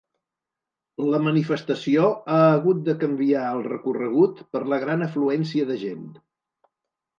La manifestació ha hagut de canviar el recorregut per la gran afluència de gent.